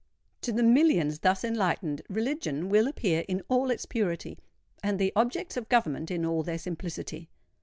To the millions thus enlightened, Religion will appear in all its purity, and the objects of Government in all their simplicity.